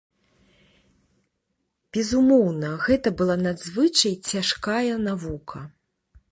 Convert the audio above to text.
Безумоўна, гэта была надзвычай цяжкая навука.